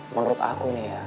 menurut aku nih ya